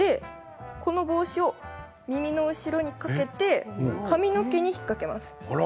で、耳の後ろにかけて髪の毛に引っ掛けます。